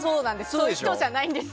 そういう人じゃないんです。